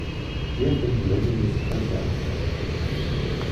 Hier finden regelmäßig Konzerte statt.